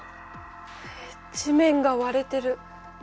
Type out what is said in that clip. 地面が割れてる。